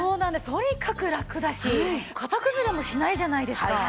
とにかくラクだし型崩れもしないじゃないですか。